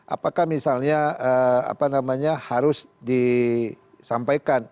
apakah misalnya apa namanya harus disampaikan